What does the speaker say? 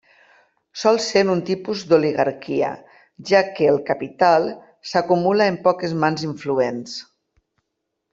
Sol ser un tipus d'oligarquia, ja que el capital s'acumula en poques mans influents.